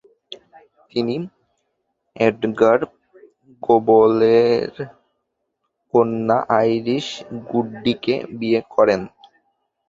তিনি এডগার গোবলের কন্যা আইরিস গুডিভকে বিয়ে করেন।